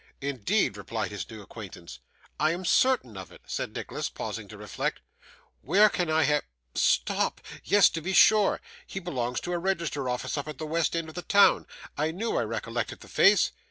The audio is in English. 'Indeed!' replied his new acquaintance. 'I am certain of it,' said Nicholas, pausing to reflect. 'Where can I have stop! yes, to be sure he belongs to a register office up at the west end of the town. I knew I recollected the face.